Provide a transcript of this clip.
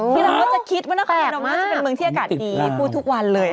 ที่เราก็จะคิดว่านครพนมน่าจะเป็นเมืองที่อากาศดีพูดทุกวันเลย